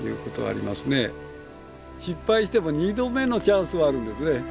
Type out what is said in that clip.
失敗しても２度目のチャンスはあるんですね。